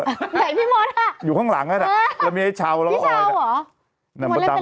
ไหนพี่มดอะอยู่ข้างหลังอะแล้วมีไอ้ชาวพี่ชาวเหรอ